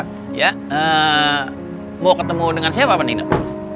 hai kau ya ya mau ketemu dengan siapa nih